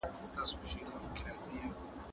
سوداګر اوسمهال په خپلو کارونو کي لوی خطرونه مني.